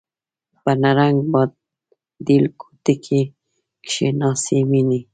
په نرنګ، باډېل کوټکي کښي ناڅي میني